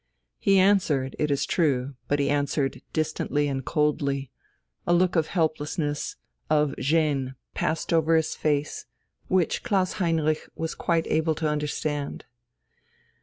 He answered, it is true: but he answered distantly and coldly, a look of helplessness, of gêne, passed over his face, which Klaus Heinrich was quite able to understand.